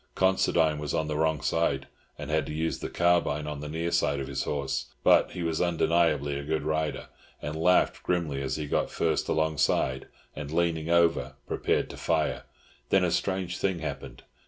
Considine was on the wrong side, and had to use the carbine on the near side of his horse; but he was undeniably a good rider, and laughed grimly as he got first alongside, and, leaning over, prepared to fire. Then a strange thing happened.